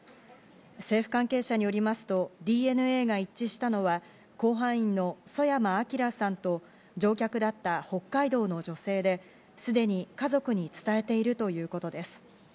政府関係者によりますとＤＮＡが一致したのは、甲板員の曽山聖さんと乗客だった北海道の女性で、すでに家族に伝えているということです。